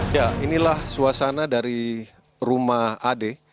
ya inilah suasana dari rumah ade